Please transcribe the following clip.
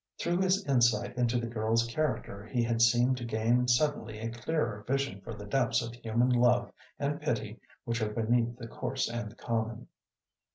Through his insight into the girl's character, he had seemed to gain suddenly a clearer vision for the depths of human love and pity which are beneath the coarse and the common.